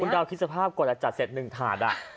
คุณเดาคิดสภาพกว่าจะจัดเสร็จหนึ่งถาด